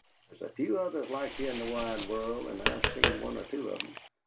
There's a few others like ye in the wide world, and I've seen one or two of 'em.